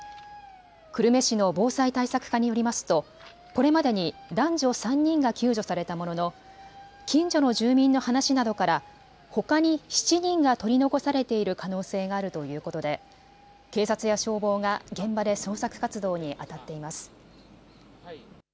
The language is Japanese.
久留米市の防災対策課によりますとこれまでに男女３人が救助されたものの近所の住民の話などからほかに７人が取り残されている可能性があるということで警察や消防が現場で捜索活動にあたっています。